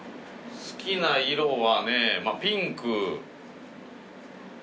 好きな色はねピンク。